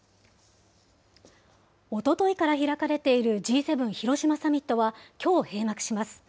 おとといから開かれているＧ７広島サミットは、きょう閉幕します。